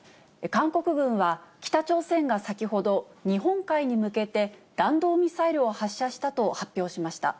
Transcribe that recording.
韓国軍は、北朝鮮が先ほど日本海に向けて、弾道ミサイルを発射したと発表しました。